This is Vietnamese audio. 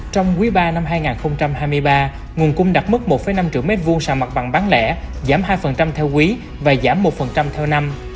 trong quý ba năm hai nghìn hai mươi ba nguồn cung đặt mức một năm triệu m hai sàn mặt bằng bán lẻ giảm hai theo quý và giảm một theo năm